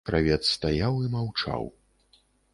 Кравец стаяў і маўчаў.